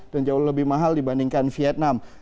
dan jauh lebih mahal dibandingkan vietnam